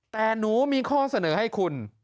แต่หนูมีข้อเสนอให้คุณ